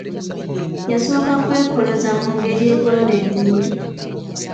Yasooka kwekoloza mu ngeri egogola emimiro.